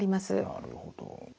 なるほど。